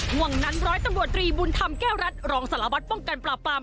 ห่วงนั้นร้อยตำรวจรีบุญธรรมแก้วรัฐรองสารวัตรป้องกันปราบปราม